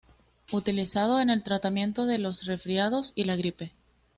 Utilizado en el tratamiento de los resfriados y la gripe.